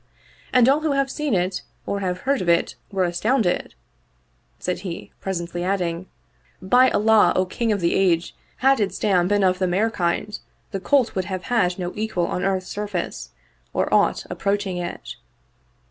And all who have seen it or have heard of it were astounded," said he, presently adding, " By Allah, O King of the Age, had its dam been of the mare kind the colt would have had no equal on earth's surface or aught ap proaching it."